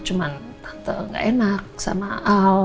cuma tante gak enak sama al